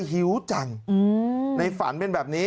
หิวจังในฝันเป็นแบบนี้